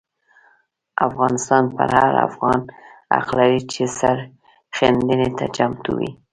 افغانستان پر هر افغان حق لري چې سرښندنې ته چمتو وي.